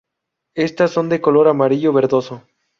Estas son de color amarillo verdoso.